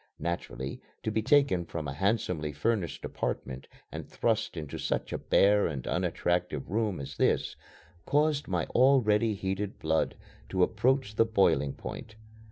Naturally, to be taken from a handsomely furnished apartment and thrust into such a bare and unattractive room as this caused my already heated blood to approach the boiling point.